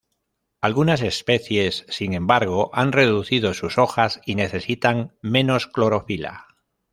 Algunas especies sin embargo han reducido sus hojas y necesitan menos clorofila.